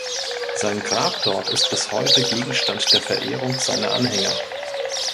Sein Grab dort ist bis heute Gegenstand der Verehrung seiner Anhänger.